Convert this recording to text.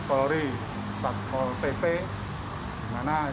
kita dapat perintah untuk melaksanakan patologi